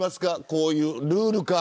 こういうルール化。